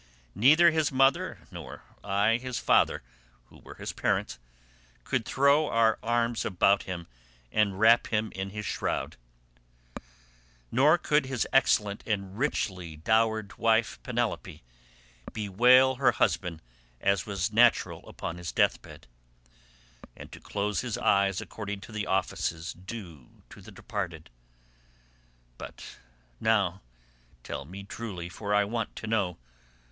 Neither his mother, nor I his father, who were his parents, could throw our arms about him and wrap him in his shroud, nor could his excellent and richly dowered wife Penelope bewail her husband as was natural upon his death bed, and close his eyes according to the offices due to the departed. But now, tell me truly for I want to know.